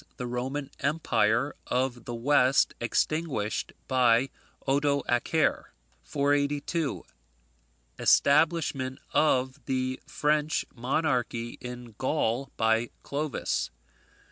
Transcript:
The Roman Empire of the West extinguished by Odoacer. 482. Establishment of the French monarchy in Gaul by Clovis.